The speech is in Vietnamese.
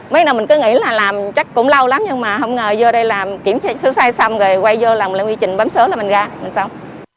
mấy đầu mình cứ nghĩ là làm chắc cũng lâu lắm nhưng mà không ngờ vô đây làm kiểm tra xứ sai xong rồi quay vô làm lại quy trình bấm sớm là mình ra mình xong